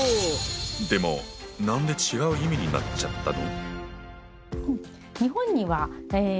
でもなんで違う意味になっちゃったの？